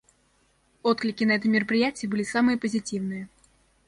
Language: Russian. Отклики на это мероприятие были самые позитивные.